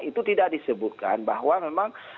itu tidak disebutkan bahwa memang